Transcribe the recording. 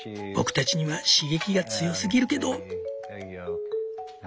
僕たちには刺激が強すぎるけど」。